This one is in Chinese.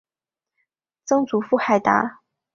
曾祖父海达。